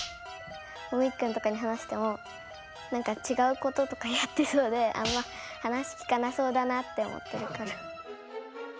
みっくんとかに話してもなんかちがうこととかやってそうであんま話聞かなそうだなって思ってるから。